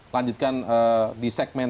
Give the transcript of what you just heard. lanjutkan di segmen